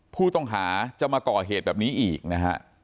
ผู้ต้องหาจะมาก่อเหตุแบบนี้อีกนะฮะ